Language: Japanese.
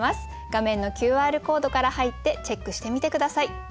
画面のＱＲコードから入ってチェックしてみて下さい。